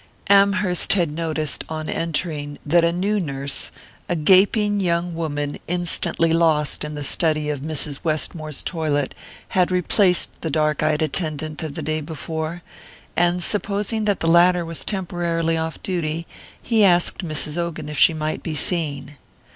Amherst had noticed, on entering, that a new nurse a gaping young woman instantly lost in the study of Mrs. Westmore's toilet had replaced the dark eyed attendant of the day before; and supposing that the latter was temporarily off duty, he asked Mrs. Ogan if she might be seen.